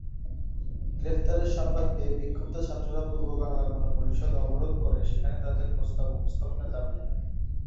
গ্রেফতারের সংবাদ পেয়ে বিক্ষুব্ধ ছাত্ররা পূর্ব বাংলা গণপরিষদ অবরোধ করে সেখানে তাদের প্রস্তাব উপস্থাপনের দাবি জানায়।